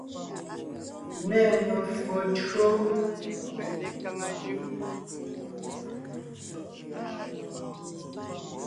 Nê me[o tÿǒ.